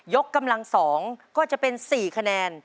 กำลัง๒ก็จะเป็น๔คะแนน